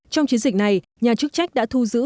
trong chiến dịch này nhà chức trách đã thu giữ